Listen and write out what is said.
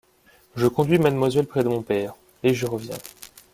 Je conduis mademoiselle près de mon père, et je reviens.